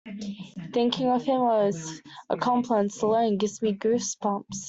Thinking of him or his accomplice alone gives me goose bumps.